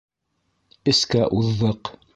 Эскә уҙҙыҡ.